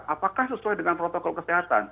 apakah sesuai dengan protokol kesehatan